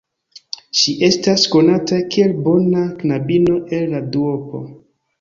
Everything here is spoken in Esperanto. Ŝi estas konata kiel bona knabino el la duopo.